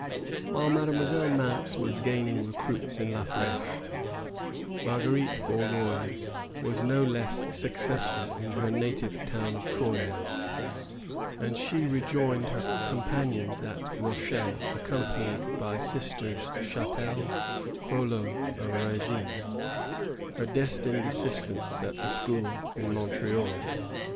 While Mademoiselle Mance was gaining recruits in La Fldche, Marguerite Bourgeoys was no less success ful in her native town of Troyes ; and she rejoined her companions at Rochelle, accompanied by Sisters Gh&tel, Crolo, and Raisin, her destined assistants in the school at Montreal.